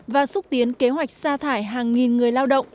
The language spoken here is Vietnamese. và xúc tiến kế hoạch xa thải hàng nghìn người lao động